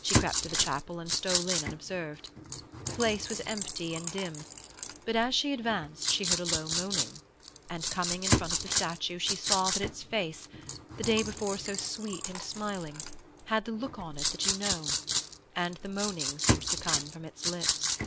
She crept to the chapel and stole in unobserved. The place was empty and dim, but as she advanced she heard a low moaning, and coming in front of the statue she saw that its face, the day before so sweet and smiling, had the look on it that you know and the moaning seemed to come from its lips.